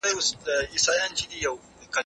د عاجزۍ په صورت کي جزيه معاف ده.